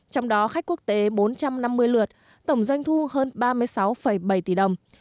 trong đó khách quốc tế bốn trăm năm mươi lượt tổng doanh thu hơn ba mươi sáu bảy tỷ đồng